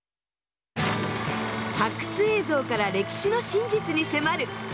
発掘映像から歴史の真実に迫る！